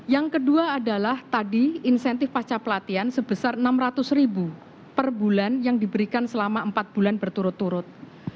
yang kedua adalah tadi insentif pasca pelatihan sebesar rp enam ratus per bulan yang diberikan selama empat bulan berturut turut